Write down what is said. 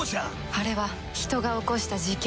あれは人が起こした事件。